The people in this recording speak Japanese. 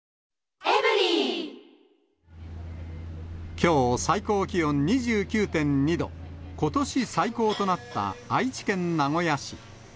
きょう、最高気温２９．２度、ことし最高となった愛知県名古屋市。